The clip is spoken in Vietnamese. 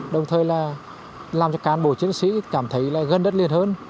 đồng thời làm cho cán bộ chiến sĩ cảm thấy gần đất liền hơn